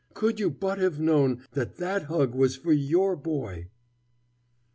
could you but have known that that hug was for your boy!